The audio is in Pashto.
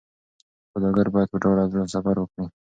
سوداګر باید په ډاډه زړه سفر وکړي.